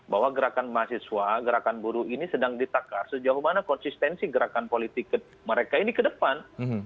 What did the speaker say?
bahwa gerakan mahasiswa gerakan buruh ini sedang ditakar sejauh mana konsistensi gerakan politik mereka ini ke depan